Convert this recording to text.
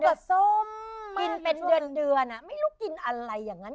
กับส้มกินเป็นเดือนไม่รู้กินอะไรอย่างนั้น